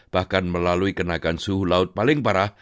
bahkan melalui kenaikan suhu laut paling parah